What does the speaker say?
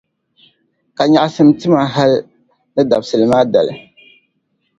Ka naɣisim ti ma hali ni dabisili maa dali.